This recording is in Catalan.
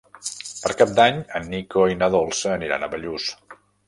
Per Cap d'Any en Nico i na Dolça aniran a Bellús.